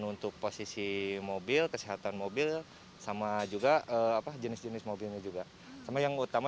untuk posisi mobil kesehatan mobil sama juga apa jenis jenis mobilnya juga sama yang utama